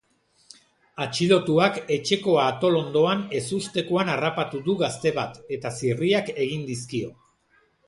Atxilotuak etxeko atalondoan ezustekoan harrapatu du gazte bat, eta zirriak egin dizkio.